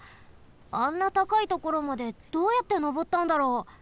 あんなたかいところまでどうやってのぼったんだろう？